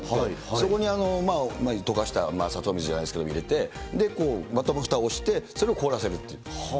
そこに溶かした砂糖水じゃないですけど、入れて、そこでまたふたをして、それを凍らせるっていう。